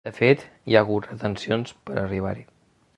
De fet, hi ha hagut retencions per a arribar-hi.